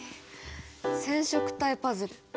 染色体パズル？